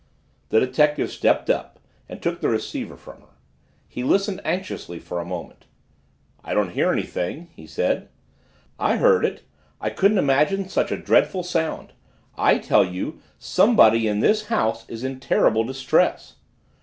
The detective stepped up and took the receiver from her. He listened anxiously for a moment. "I don't hear anything," he said. "I heard it! I couldn't imagine such a dreadful sound! I tell you somebody in this house is in terrible distress."